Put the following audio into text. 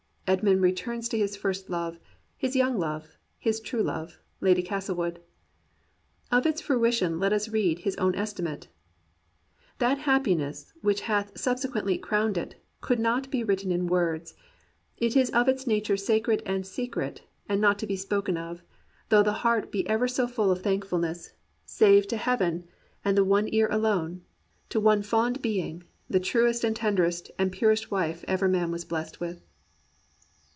Esmond returns to his first love, his young love, his true love. Lady Castlewood. Of its fruition let us read his own estimate : "That happiness which hath subsequently crowned it, cannot be written in words; it is of its nature sacred and secret, and not to be spoken of, though the heart be ever so full of thankfulness, 1^ THACKERAY AND REAL MEN save to Heaven and the One Ear alone — to one fond being, the truest and tenderest and purest wife ever man was blessed with."